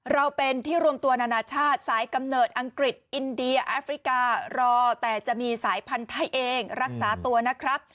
เราเป็นที่รวมตัวนานาชาติสายกำเนิดอังกฤษอินเดียแอฟริการอแต่จะมีสายพันธุ์ไทยเองรักษาตัวนะครับ